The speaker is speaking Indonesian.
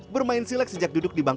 bermain silek sejak duduk di bangku